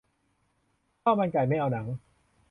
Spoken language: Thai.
ข้าวมันไก่ ไม่เอาหนัง